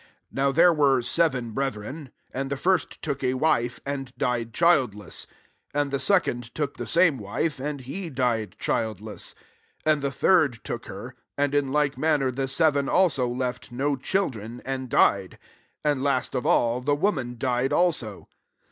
29 Now there were seven brethren: and the first took a wife, and died childless. 30 And the se cond took the same wife ; and he died childless. 31 And the third took her; and in like manner the seven also left no children, and died. 32 [wfnrfj last [of all,] the woman died also.